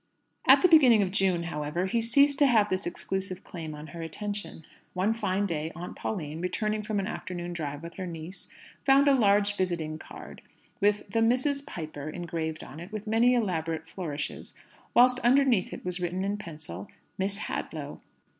At the beginning of June, however, he ceased to have this exclusive claim on her attention. One fine day Aunt Pauline, returning from an afternoon drive with her niece, found a large visiting card with "The Misses Piper" engraved on it with many elaborate flourishes, whilst underneath was written in pencil "Miss Hadlow."